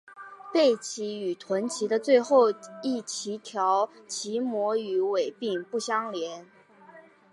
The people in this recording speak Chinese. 背鳍与臀鳍的最后一鳍条鳍膜与尾柄不相连。